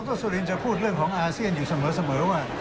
สุรินจะพูดเรื่องของอาเซียนอยู่เสมอว่า